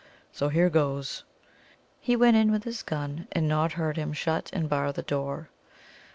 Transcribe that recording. So here goes." He went in with his gun, and Nod heard him shut and bar the door.